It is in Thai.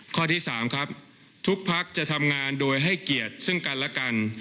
ข้อที่๓ครับทุกพักจะทำงานโดยให้เกียรติซึ่งกันและกัน